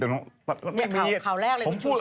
ไหนเขาแรกหลายคนช๗๒